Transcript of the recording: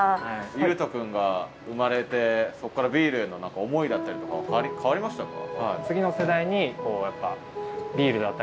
悠人くんが生まれてそこからビールへの思いだったりとかは変わりましたか？